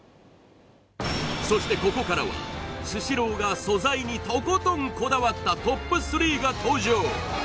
そしてここからはスシローが素材にとことんこだわったＴＯＰ３が登場